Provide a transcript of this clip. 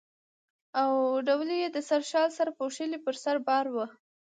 او ډولۍ یې د سره شال سره پوښلې پر سر بار وه.